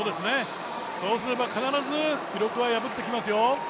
そうすれば必ず記録は破ってきますよ。